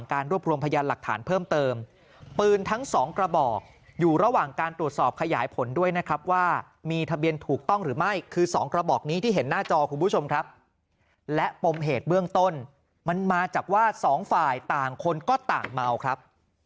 กระบอกอยู่ระหว่างการตรวจสอบขยายผลด้วยนะครับว่ามีทะเบียนถูกต้องหรือไม่คือ๒กระบอกนี้ที่เห็นหน้าจอคุณผู้ชมครับและปมเหตุเบื้องต้นมันมาจากว่า๒ฝ่ายต่างคนก็ต่างเมาครับ